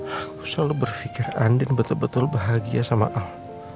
aku selalu berfikir andin betul betul bahagia sama al